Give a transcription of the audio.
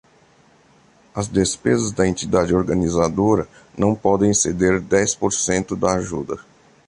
As despesas da entidade organizadora não podem exceder dez por cento da ajuda.